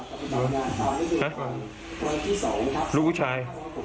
หันลูกผู้ชาย